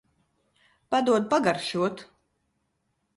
Padod pagaršot.